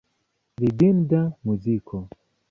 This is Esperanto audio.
Ridinda muziko.